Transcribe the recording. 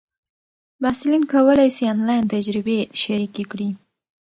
محصلین کولای سي آنلاین تجربې شریکې کړي.